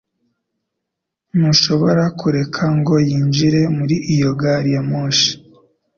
Ntushobora kureka ngo yinjire muri iyo gari ya moshi